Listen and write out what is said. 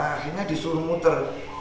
akhirnya disuruh muter